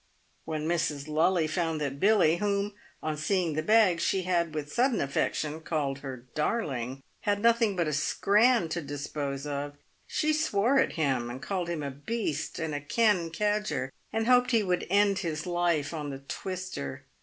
When Mrs. Lully found that Billy — whom, on seeing the bag, she had, with sudden affection, called her darling — had nothing but " scran" to dispose of, she swore at him, and called him a beast and a ken cadger, and hoped he would end his life on the twister.